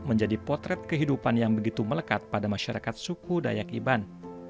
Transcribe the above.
menjadi potret kehidupan yang begitu melekat pada masyarakat suku dayak iban